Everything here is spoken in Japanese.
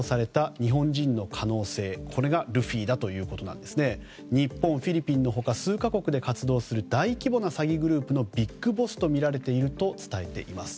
日本、フィリピンの他数か国で活動する大規模な詐欺グループのビッグボスとみられていると伝えています。